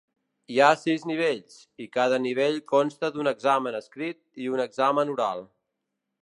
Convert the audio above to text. Hi ha sis nivells, i cada nivell consta d'un examen escrit i un examen oral.